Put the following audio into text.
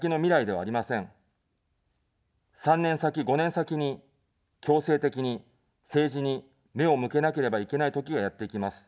３年先、５年先に、強制的に政治に目を向けなければいけないときがやってきます。